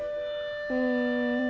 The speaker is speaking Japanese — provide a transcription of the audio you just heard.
うん。